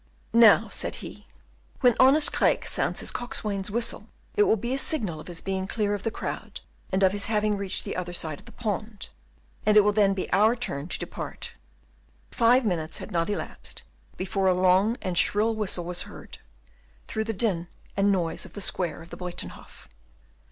"Now," said he, "when honest Craeke sounds his coxswain's whistle, it will be a signal of his being clear of the crowd, and of his having reached the other side of the pond. And then it will be our turn to depart." Five minutes had not elapsed, before a long and shrill whistle was heard through the din and noise of the square of the Buytenhof.